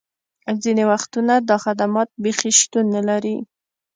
ځینې وختونه دا خدمات بیخي شتون نه لري